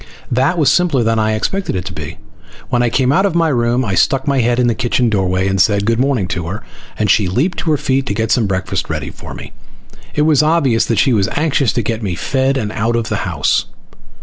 That was simpler than I expected it to be. When I came out of my room I stuck my head in the kitchen doorway and said good morning to her, and she leaped to her feet to get some breakfast ready for me. It was obvious that she was anxious to get me fed and out of the house.